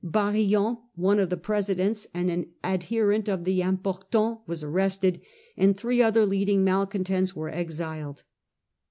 Barillon, one of the presidents and an adherent of the * Impor tants/ was arrested, and three other leading malcontents were exiled.